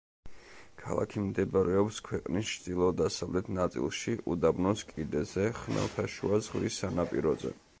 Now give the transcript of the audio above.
ქალაქი მდებარეობს ქვეყნის ჩრდილო-დასავლეთ ნაწილში, უდაბნოს კიდეზე, ხმელთაშუა ზღვის სანაპიროზე.